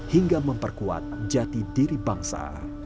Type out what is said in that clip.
hingga memperkuat jati diri bangsa